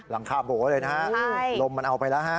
หลังคาปลูกแล้วเลยนะครับลมมันเอาไปแล้วฮะ